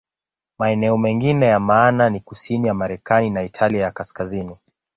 Maeneo mengine ya maana ni kusini ya Marekani na Italia ya Kaskazini.